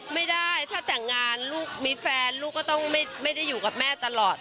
ไม่ได้ถ้าแต่งงานลูกมีแฟนลูกก็ต้องไม่ได้อยู่กับแม่ตลอด